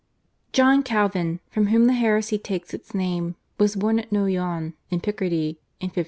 John Calvin, from whom the heresy takes its name, was born at Noyon in Picardy in 1509.